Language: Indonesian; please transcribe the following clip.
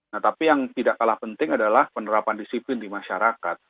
nah tapi yang tidak kalah penting adalah penerapan disiplin di masyarakat